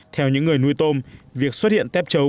theo những người nuôi tôm việc xuất hiện tép chấu